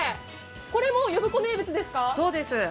これも呼子名物ですか。